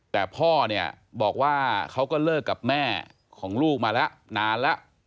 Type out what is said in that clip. แต่พ่อเนี่ยบอกว่าเขาก็เลิกกับแม่ของลูกมาแล้วนานแล้ว